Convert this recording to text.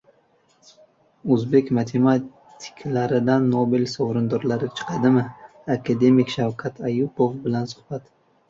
O‘zbek matematiklaridan Nobel sovrindorlari chiqadimi? Akademik Shavkat Ayupov bilan suhbat